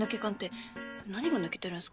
何が抜けてるんすか？